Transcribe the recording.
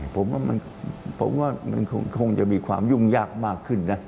ผมว่าผมว่ามันคงจะมีความยุ่งยากมากขึ้นนะ